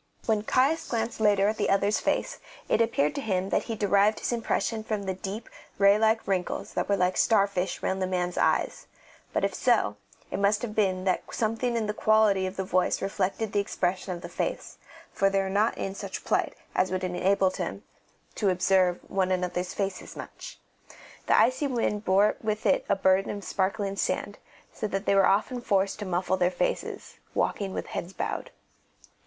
When Caius glanced later at the other's face, it appeared to him that he derived his impression from the deep, ray like wrinkles that were like star fish round the man's eyes; but if so, it must have been that something in the quality of the voice reflected the expression of the face, for they were not in such plight as would enable them to observe one another's faces much. The icy wind bore with it a burden of sparkling sand, so that they were often forced to muffle their faces, walking with heads bowed.